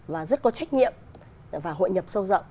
và rất có trách nhiệm và hội nhập sâu rộng